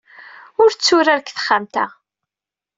Ur tturar deg texxamt-a.